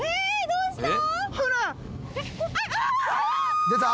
どうした？